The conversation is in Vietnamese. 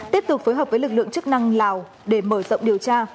tiếp tục phối hợp với lực lượng chức năng lào để mở rộng điều tra